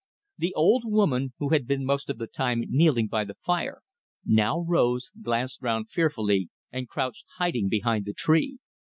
The old woman, who had been most of the time kneeling by the fire, now rose, glanced round fearfully and crouched hiding behind the tree.